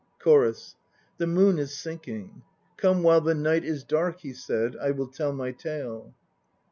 CHORUS. *The moon is sinking. Come while the night is dark," he said, "I will tell my tale."